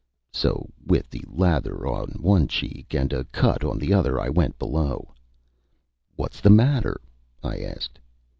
So, with the lather on one cheek and a cut on the other, I went below. "What's the matter?" I asked.